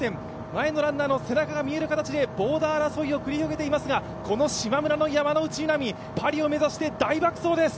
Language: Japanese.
前のランナーの背中が見える形で、ボーダー争いを繰り広げていますがこのしまむらの山ノ内みなみ、大爆走です。